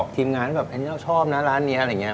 ทีมงานแบบอันนี้เราชอบนะร้านนี้อะไรอย่างนี้